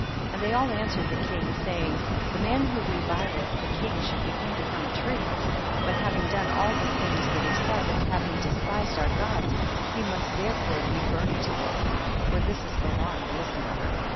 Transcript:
5. And they all answered the king, saying, the man who revileth the king should be hanged upon a tree ; but having done all the things that he said, and having despised our gods, he must therefore be burned to death, for this is the law in this matter.